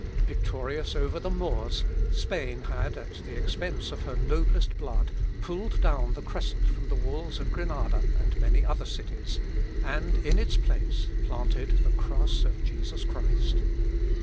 Victorious over the Moors, Spain had, at the expence of her noblest blood, pulled down the crescent from the walls of Grenada, and many other cities, and, in its place, planted the cross of Jesus Christ.